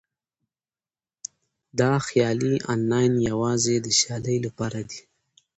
دا خيالي اتلان يوازې د سيالۍ لپاره دي.